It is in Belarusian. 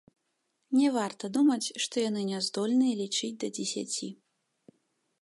Не варта думаць, што яны не здольныя лічыць да дзесяці.